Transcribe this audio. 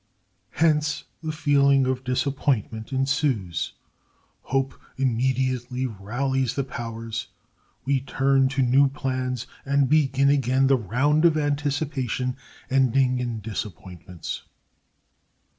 Hence the feeling of disappointment ensues. Hope immediately rallies the powers. We turn to new plans, and begin again the round of anticipation, ending in disappointments.